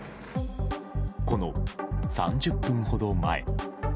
この３０分ほど前。